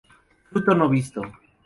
Fruto no visto.